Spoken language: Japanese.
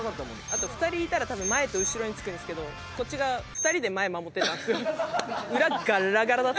あと２人いたら多分前と後ろにつくんですけどこっち側２人で前守ってたんですよ。